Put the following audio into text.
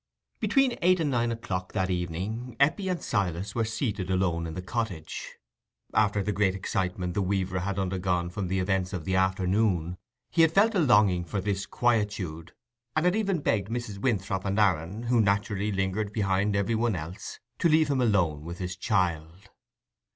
Between eight and nine o'clock that evening, Eppie and Silas were seated alone in the cottage. After the great excitement the weaver had undergone from the events of the afternoon, he had felt a longing for this quietude, and had even begged Mrs. Winthrop and Aaron, who had naturally lingered behind every one else, to leave him alone with his child.